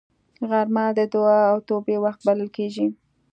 غرمه د دعا او توبې وخت بلل کېږي